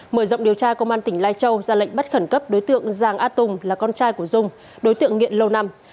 mở rộng điều tra công an tỉnh lai châu ra lệnh bắt khẩn cấp đối tượng giàng a tùng là con trai của dung đối tượng nghiện lâu năm